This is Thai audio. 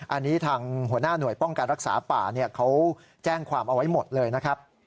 อันนี้ทางหัวหน้าหน่วยป้องกันรักษาป่าเขาแจ้งความเอาไว้หมดเลยนะครับ